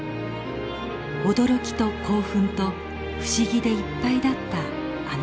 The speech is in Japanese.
驚きと興奮と不思議でいっぱいだったあのころ。